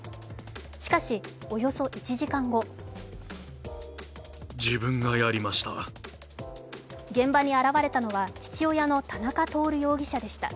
しかし、およそ１時間後現場に現れたのは、父親の田中徹容疑者でした。